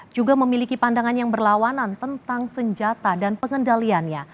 juga memiliki pandangan yang berlawanan tentang senjata dan pengendaliannya